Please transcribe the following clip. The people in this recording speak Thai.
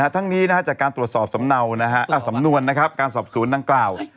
ทั้งนี้จากการตรวจสอบสำนวนการสอบสวนนางกล้าว